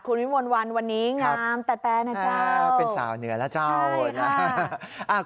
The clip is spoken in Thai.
คุณวิมวลวันวันนี้งามแตะแตะนะเจ้าเป็นสาวเหนือนะเจ้าใช่ค่ะ